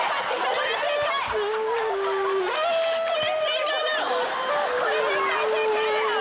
これ絶対正解だよ。